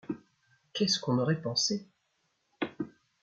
Qu'est-ce qu'on aurait pensé ?